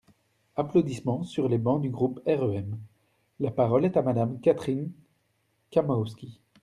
(Applaudissements sur les bancs du groupe REM.) La parole est à Madame Catherine Kamowski.